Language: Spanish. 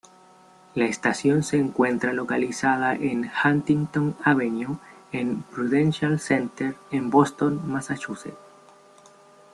La estación se encuentra localizada en Huntington Avenue en Prudential Center en Boston, Massachusetts.